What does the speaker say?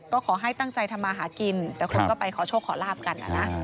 ก็ขอให้ตั้งใจทำมาหากินแต่คนก็ไปขอโชคขอลาบกันนะ